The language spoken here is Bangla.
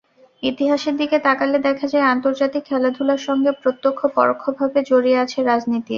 ইতিহাসের দিকে তাকালে দেখা যায়, আন্তর্জাতিক খেলাধুলার সঙ্গে প্রত্যক্ষ, পরোক্ষভাবে জড়িয়ে আছে রাজনীতি।